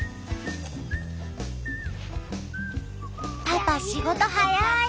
パパ仕事早い！